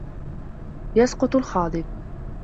يَسْقُطُ الْخَادِمُ.